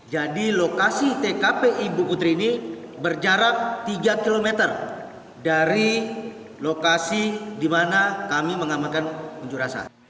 jadi lokasi tkp ibu putri ini berjarak tiga km dari lokasi di mana kami mengamankan penjurasa